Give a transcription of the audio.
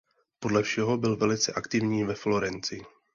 Podle všeho byl velice aktivní ve Florencii.